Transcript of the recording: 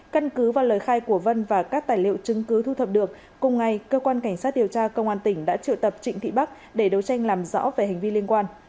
căn cứ vào lời khai của vân và các tài liệu chứng cứ thu thập được cùng ngày cơ quan cảnh sát điều tra công an tỉnh đã triệu tập trịnh thị bắc để đấu tranh làm rõ về hành vi liên quan